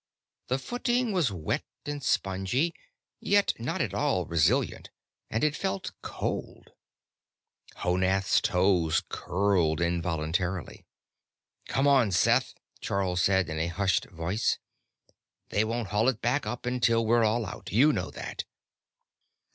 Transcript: The footing was wet and spongy, yet not at all resilient, and it felt cold; Honath's toes curled involuntarily. "Come on, Seth," Charl said in a hushed voice. "They won't haul it back up until we're all out. You know that."